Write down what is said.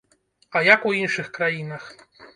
А як у іншых краінах?